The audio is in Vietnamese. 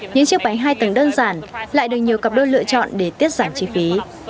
những chiếc bánh hai tầng đơn giản lại được nhiều cặp đôi lựa chọn để tiết giảm chi phí